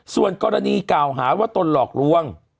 ส่วนกรณีกล่าวหาว่าตนหลอกลวง